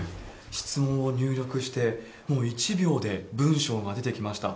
質問を入力して、もう１秒で文章が出てきました。